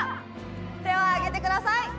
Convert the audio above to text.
手を挙げてください・